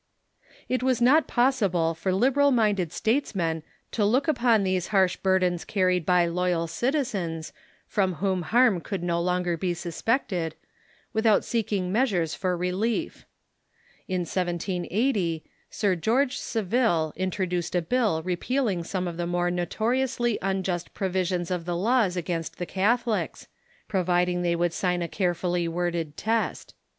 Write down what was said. It was not possible for liberal minded statesmen to look upon these harsh burdens carried by loyal citizens, from whom harm could no longer be suspected, without seek '"'Tor'neifer' i"g measures for relief. In 1780 Sir George Sav ille introduced a bill repealing some of the more notoriously unjust provisions of the laws against the Catholics, providing they would sign a carefully worded test.